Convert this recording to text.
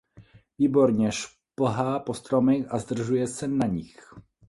Výborně šplhá po stromech a zdržuje se na nich.